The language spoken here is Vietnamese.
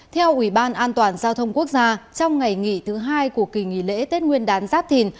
theo ủy ban an toàn giao thông quốc gia trong ngày nghỉ thứ hai của kỳ nghỉ lễ tết nguyên đán giáp thìn